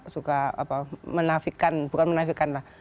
suka menafikan bukan menafikan lah